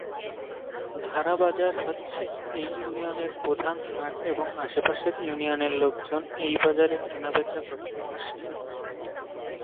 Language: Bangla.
ধারা বাজার হচ্ছে এই ইউনিয়ন এর প্রধান হাট এবং আশেপাশের ইউনিয়নের লোকজন এই বাজারে কেনা বেচা করতে আসে।